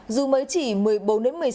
dù mới chỉ một mươi bốn một mươi sáu